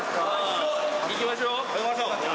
広い！行きましょう。